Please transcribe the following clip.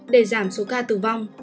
để giảm số ca tử vong